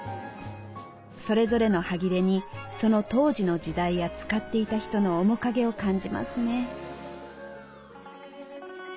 それぞれのハギレにその当時の時代や使っていた人の面影を感じますね。